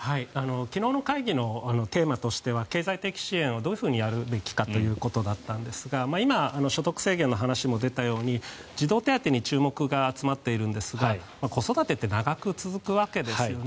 昨日の会議のテーマとしては経済的支援をどういうふうにやるべきかということだったんですが今、所得制限の話も出たように児童手当に注目が集まっているんですが子育てって長く続くわけですよね。